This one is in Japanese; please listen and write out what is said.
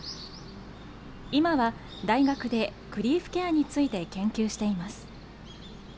今は、大学でグリーフケアについて研究しています。